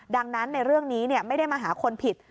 ดังนั้นในเรื่องนี้ไม่ได้มาหาคนผิด